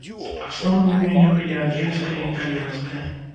Асноўнымі ў мяне былі ангельская і італьянская.